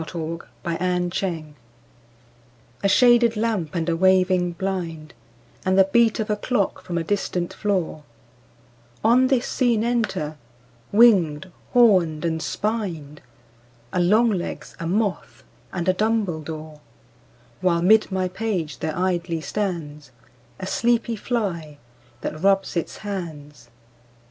AN AUGUST MIDNIGHT I A SHADED lamp and a waving blind, And the beat of a clock from a distant floor: On this scene enter—winged, horned, and spined— A longlegs, a moth, and a dumbledore; While 'mid my page there idly stands A sleepy fly, that rubs its hands